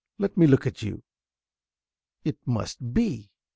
~ Let me look at you! It must be!